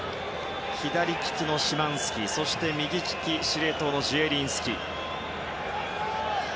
左利きのシマンスキ右利き、司令塔のジエリンスキ。